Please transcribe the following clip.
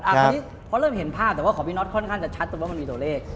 เพราะเริ่มเห็นภาพแต่ของพี่น็อตค่อนข้างจะชัดว่ามันมีตัวเลข